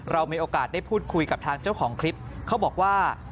เรามีโอกาสได้พูดคุยกับทางเจ้าของคลิปเขาบอกว่า